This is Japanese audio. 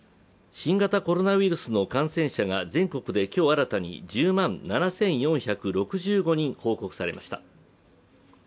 新型コロナウイルスの感染者が全国で今日新たに１０万７４６５人報告されました。